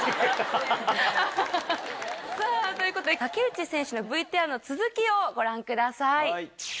さぁということで竹内選手のＶＴＲの続きをご覧ください。